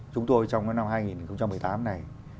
chúng tôi trong năm hai nghìn một mươi tám này